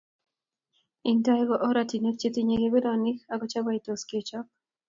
Eng tai ko orantiwek chetinyei kebenonik akochaibaitos kechop